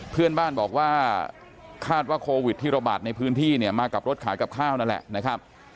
เพื่อนบ้านบอกว่าคาดว่าโควิดที่ระบาดในพื้นที่เนี่ยมากับรถขายกับข้าวนั่นแหละนะครับ